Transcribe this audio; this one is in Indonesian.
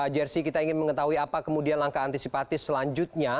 jersi kita ingin mengetahui apa kemudian langkah antisipatif selanjutnya